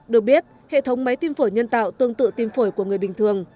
được biết hệ thống máy tim phổi nhân tạo tương tự tim phổi của người bình thường